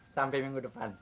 sampai minggu depan